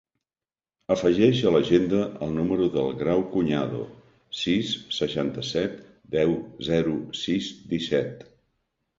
Afegeix a l'agenda el número del Grau Cuñado: sis, seixanta-set, deu, zero, sis, disset.